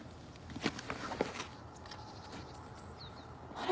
あれ？